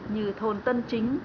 như thôn tân chính